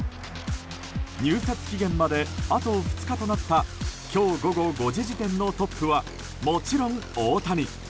入札期限まであと２日となった今日午後５時時点のトップはもちろん大谷。